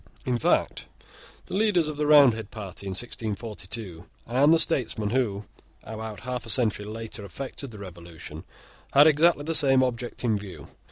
In fact, the leaders of the Roundhead party in 1642, and the statesmen who, about half a century later, effected the Revolution, had exactly the same object in view.